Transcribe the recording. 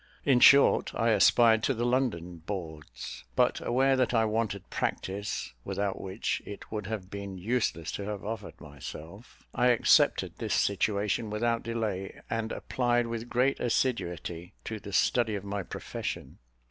I short, I aspired to the London boards; but aware that I wanted practice, without which it would have been useless to have offered myself, I accepted this situation without delay, and applied with great assiduity to the study of my profession.